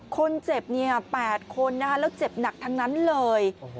คนเจ็บ๘คนแล้วเจ็บหนักทั้งนั้นเลย